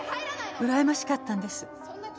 うらやましかったんです。